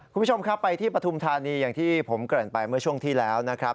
คุณผู้ชมครับไปที่ปฐุมธานีอย่างที่ผมเกริ่นไปเมื่อช่วงที่แล้วนะครับ